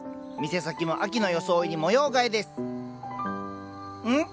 店先も秋の装いに模様替えですん？